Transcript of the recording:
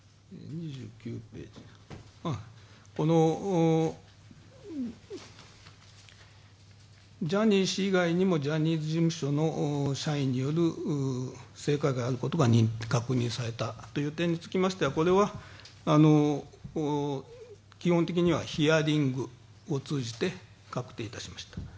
このジャニー氏以外にもジャニーズ事務所の人間による性加害があることが確認されたという点につきましては、これは、基本的にはヒアリングを通じて確定いたしました。